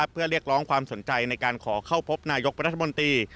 เพื่อเรียกร้องความสนใจในการขอเข้าพบนายกรัฐมนตรี